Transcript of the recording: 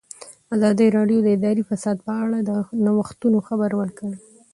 ازادي راډیو د اداري فساد په اړه د نوښتونو خبر ورکړی.